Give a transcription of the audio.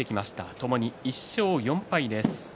ともに１勝４敗です。